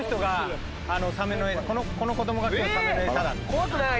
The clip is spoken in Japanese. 怖くない？